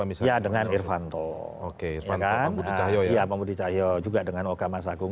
iya pak budi cahyo juga dengan okama sakung